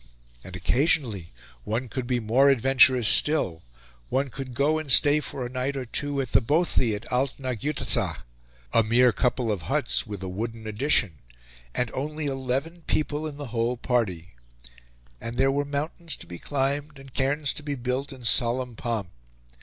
And occasionally one could be more adventurous still one could go and stay for a night or two at the Bothie at Alt na giuthasach a mere couple of huts with "a wooden addition" and only eleven people in the whole party! And there were mountains to be climbed and cairns to be built in solemn pomp.